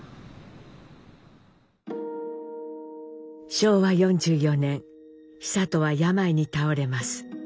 昭和４４年久渡は病に倒れます。